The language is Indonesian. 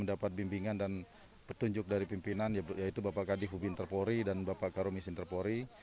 mendapat bimbingan dan petunjuk dari pimpinan yaitu bapak kadif hub interpori dan bapak karomis interpori